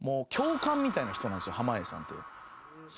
濱家さんって。